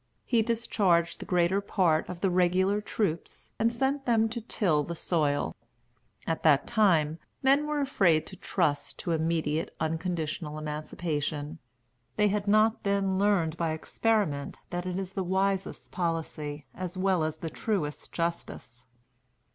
He discharged the greater part of the regular troops, and sent them to till the soil. At that time, men were afraid to trust to immediate, unconditional emancipation; they had not then learned by experiment that it is the wisest policy, as well as the truest justice.